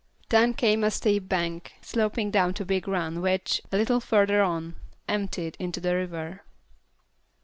Then came a steep bank sloping down to Big Run which, a little further on, emptied into the river.